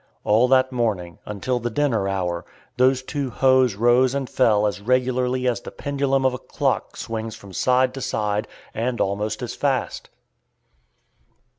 All that morning, until the dinner hour, those two hoes rose and fell as regularly as the pendulum of a clock swings from side to side, and almost as fast.